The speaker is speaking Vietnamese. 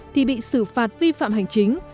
thì bị xử phạt vi phạm hành chính